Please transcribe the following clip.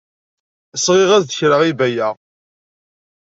Sɣiɣ-as-d kra i Baya.